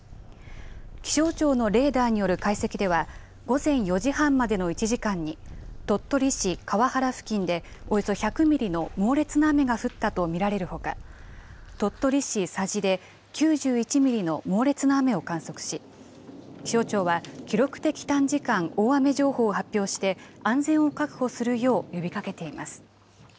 気象庁のレーダーによる解析では午前４時半までの１時間に鳥取市河原付近でおよそ１００ミリの猛烈な雨が降ったと見られるほか鳥取市佐治で９１ミリの猛烈な雨を観測し気象庁は記録的短時間大雨情報を発表して安全を確保するよう呼びかけています。